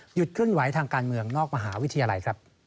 หยุดเคลื่อนไหวทางการเมืองนอกมหาวิทยาลัย